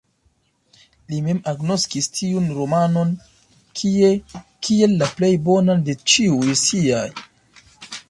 Li mem agnoskis tiun romanon kiel la plej bonan de ĉiuj siaj.